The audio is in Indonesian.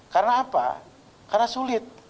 karena apa karena sulit